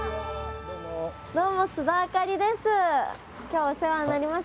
どうも須田亜香里です。